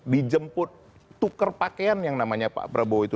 dijemput tuker pakaian yang namanya pak prabowo itu